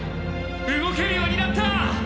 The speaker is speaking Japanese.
動けるようになった！